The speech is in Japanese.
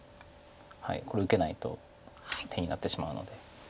これ受けないと手になってしまうので。